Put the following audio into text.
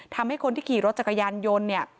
ทำให้คนที่ขี่รถจักรยานยนต์เนี่ย